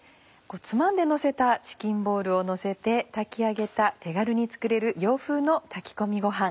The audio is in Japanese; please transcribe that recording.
つまんでのせたチキンボールをのせて炊き上げた手軽に作れる洋風の炊き込みごはん。